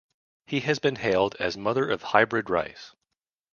He has been hailed as "Mother of Hybrid Rice".